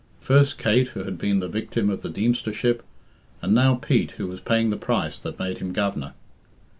First Kate, who had been the victim of the Deemstership, and now Pete, who was paying the price that made him Governor.